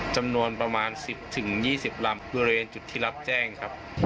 จำนวนประมาณ๑๐๒๐ลำบริเวณจุดที่รับแจ้งครับ